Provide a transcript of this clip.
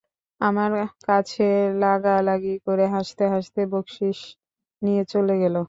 আমার কাছে লাগালাগি করে হাসতে হাসতে বকশিশ নিয়ে চলে গেল।